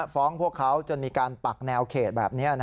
พวกเขาจนมีการปักแนวเขตแบบนี้